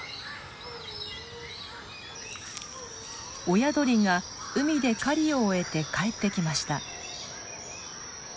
親鳥が海で狩りを終えて帰ってきました。